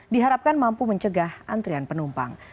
diharapkan mampu mencegah antrian penumpang